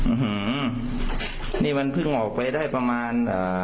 อืมนี่มันเพิ่งออกไปได้ประมาณอ่า